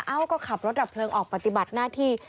เอ้าก็ขับรถดับเพลิงออกปฏิบัติหน้าที่